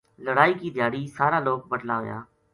لڑائی کی دھیاڑی سارا لوک بٹلا ہویا